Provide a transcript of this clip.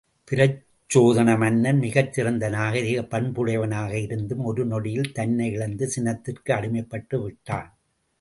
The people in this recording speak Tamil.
பிரச்சோதன மன்னன் மிகச்சிறந்த நாகரிகப் பண்புடையவனாக இருந்தும் ஒரு நொடியில் தன்னை இழந்து சினத்திற்கு அடிமைப்பட்டு விட்டான்.